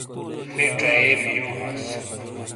بے چہ یے میرو ہانس